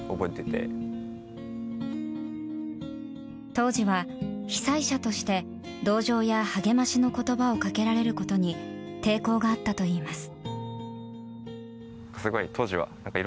当時は被災者として同情や励ましの言葉をかけられることに抵抗があったといいます。